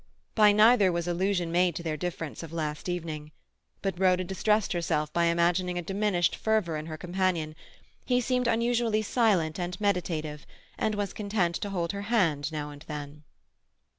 By neither was allusion made to their difference of last evening, but Rhoda distressed herself by imagining a diminished fervour in her companion; he seemed unusually silent and meditative, and was content to hold her hand now and then.